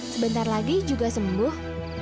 sebentar lagi juga sembuh